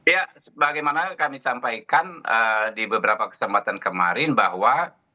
ya sebagaimana kami sampaikan di beberapa kesempatan kemarin bahwa